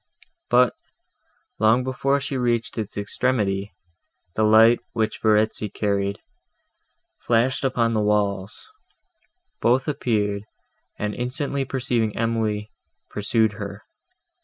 But, long before she reached its extremity, the light, which Verezzi carried, flashed upon the walls; both appeared, and, instantly perceiving Emily, pursued her.